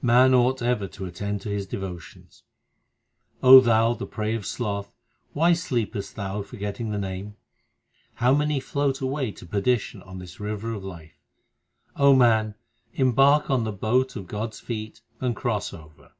Man ought ever to attend to his devotions : O thou, the prey of sloth, why sleepest thou forgetting the Name ? How many float away to perdition on this river of life ! O man, embark on the boat of God s feet and cross over.